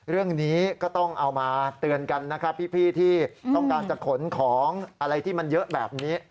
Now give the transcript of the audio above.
เรื่องนี้ก็ต้องเอามาเตือนกันนะครับพี่ที่ต้องการจะขนของอะไรที่มันเยอะแบบนี้